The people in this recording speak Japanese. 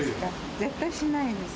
絶対しないです。